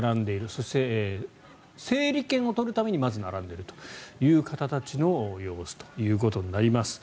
そして整理券を取るためにまず並んでいるという方たちの様子となります。